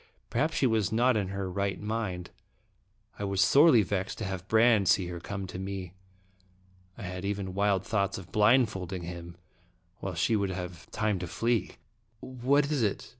Perhaps she was not in her right mind. I was sorely vexed to have Brande see her come to me. I had even wild thoughts of blindfolding him, while she should have time to flee. "What is it?"